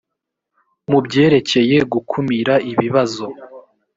mu byerekeye gukumira ibibazo